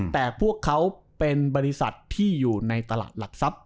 แต่พวกเขาเป็นบริษัทที่อยู่ในตลาดหลักทรัพย